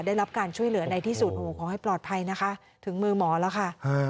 ได้รับการช่วยเหลือในที่สุดโอ้โหขอให้ปลอดภัยนะคะถึงมือหมอแล้วค่ะ